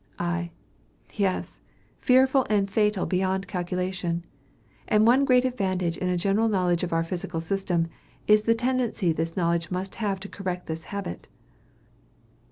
I. Yes; fearful and fatal beyond calculation! And one great advantage in a general knowledge of our physical system, is the tendency this knowledge must have to correct this habit.